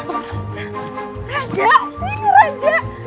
raja selingkuh raja